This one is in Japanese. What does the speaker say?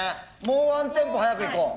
もうワンテンポ早くいこう。